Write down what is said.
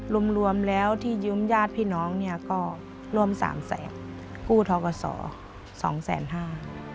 รวมรวมแล้วที่ยืมญาติพี่น้องเนี่ยก็ร่วมสามแสนกู้ทกศสองแสนห้า